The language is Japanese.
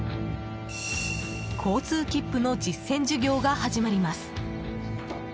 交通切符の実践授業が始まります。